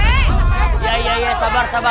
ya ya ya sabar sabar para pak rete sabar sabar